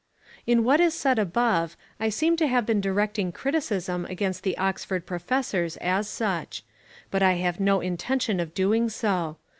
In what was said above, I seem to have been directing criticism against the Oxford professors as such: but I have no intention of doing so.